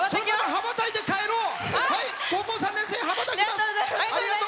羽ばたいて帰ろう！